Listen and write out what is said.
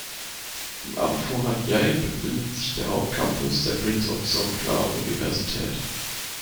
Im Amphoe Hat Yai befindet sich der Hauptcampus der Prince of Songkla-Universität.